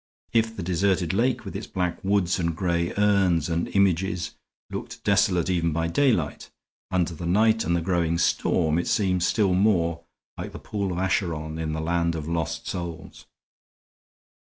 If the deserted lake with its black woods and gray urns and images looked desolate even by daylight, under the night and the growing storm it seemed still more like the pool of Acheron in the land of lost souls.